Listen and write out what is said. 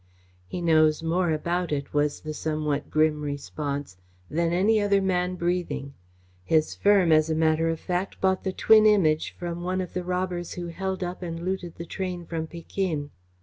"He knows more about it," was the somewhat grim response, "than any other man breathing. His firm, as a matter of fact, bought the twin Image from one of the robbers who held up and looted the train from Pekin."